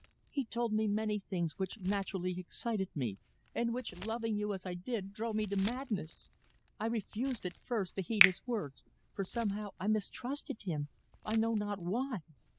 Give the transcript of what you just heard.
"He told me many things which naturally excited me, and which, loving you as I did, drove me to madness. I refused at first to heed his words, for somehow I mistrusted him I know not why!